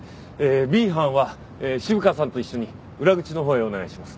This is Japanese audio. Ｂ班は渋川さんと一緒に裏口のほうへお願いします。